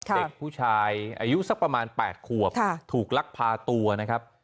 เด็กผู้ชายอายุสักประมาณ๘ขวบถูกลักพาตัวนะครับ